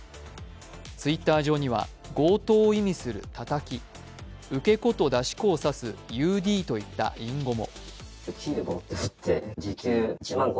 Ｔｗｉｔｔｅｒ上には強盗を意味する叩き受け子と出し子を指すＵＤといった隠語も。